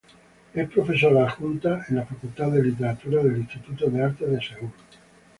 Es profesora adjunta en la Facultad de Literatura del Instituto de Artes de Seúl.